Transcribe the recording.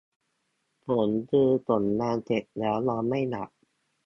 ผลคือส่งงานเสร็จแล้วนอนไม่หลับ !